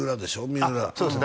三浦そうです